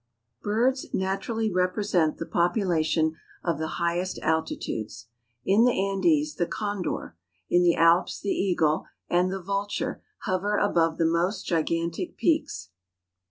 Birds naturally represent the population of the highest altitudes. In the Andes the condor ; in the Alps the eagle and the vulture hover above the most gigantic peaks.